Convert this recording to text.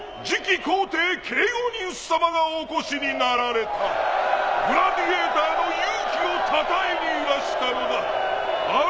皇帝ケイオニウス様がお越しになられたグラディエイターの勇気を讃えにいらしたのだあら